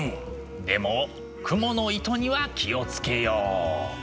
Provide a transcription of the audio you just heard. でも蜘蛛の糸には気を付けよう！